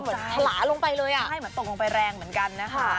ถลาลงไปเลยอ่ะใช่เหมือนตกลงไปแรงเหมือนกันนะคะ